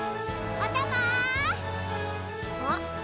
おたま！